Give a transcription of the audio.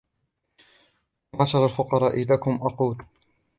وَيَا مَعْشَرَ الْفُقَرَاءِ لَكُمْ أَقُولُ